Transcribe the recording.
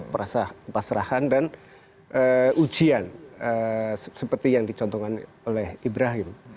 perasaan pasrahan dan ujian seperti yang dicontohkan oleh ibrahim